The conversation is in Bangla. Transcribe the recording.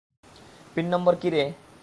পিন নাম্বার কি রে?